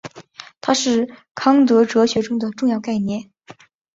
它是康德哲学中的重要概念。